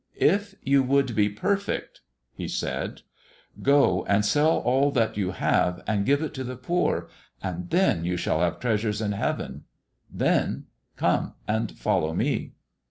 "If you would be perfect," He said, "go and sell all that you have and give it to the poor, and then you shall have treasures in heaven. Then come and follow Me."